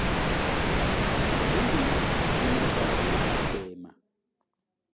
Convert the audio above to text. Nguli nyi mazalo apema.